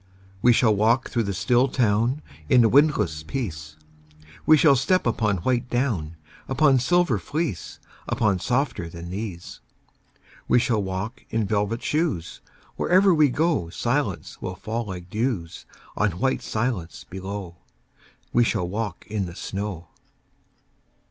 We shall walk through the still town In a windless peace; We shall step upon white down, Upon silver fleece, Upon softer than these. We shall walk in velvet shoes: Wherever we go Silence will fall like dews On white silence below. We shall walk in the snow.